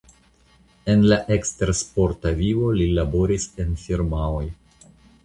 En la ekstersporta vivo li laboris en firmaoj.